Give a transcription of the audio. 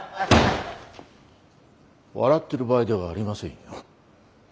笑ってる場合ではありませんよ。